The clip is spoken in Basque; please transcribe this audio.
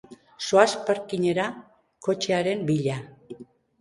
Zoaz parkingera kotxearen bila.